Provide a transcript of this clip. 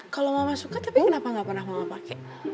kalau mama suka tapi kenapa gak pernah mama pakai